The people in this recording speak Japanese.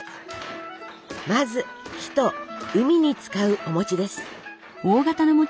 まず日と海に使うお餅です。